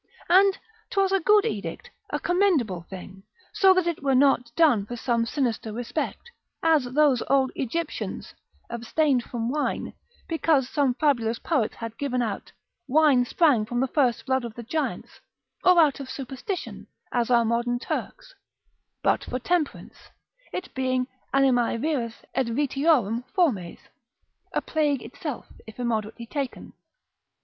And 'twas a good edict, a commendable thing, so that it were not done for some sinister respect, as those old Egyptians abstained from wine, because some fabulous poets had given out, wine sprang first from the blood of the giants, or out of superstition, as our modern Turks, but for temperance, it being animae virus et vitiorum fomes, a plague itself, if immoderately taken.